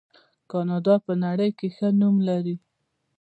کاناډا په نړۍ کې ښه نوم لري.